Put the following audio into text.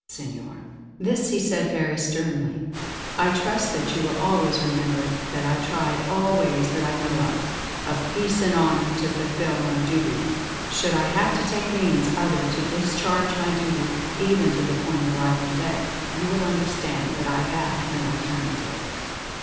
Senor" this he said very sternly "I trust that you will always remember that I tried all ways that I know of, of peace and honour, to fulfill my duty. Should I have to take means other to discharge my duty, even to the point of life and death, you will understand that I have no alternative."